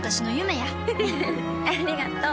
ありがとう。